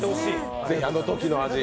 是非、あのときの味